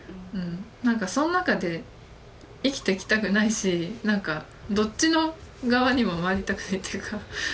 何かその中で生きてきたくないし何かどっちの側にも回りたくないっていうか。